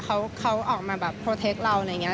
เขาออกมาประทับเราอย่างนี้